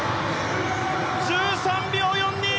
１３秒４２！